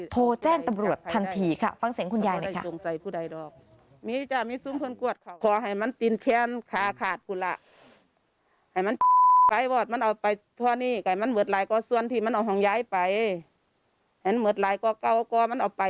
โทรแจ้งตำรวจทันทีค่ะฟังเสียงคุณยายหน่อยค่ะ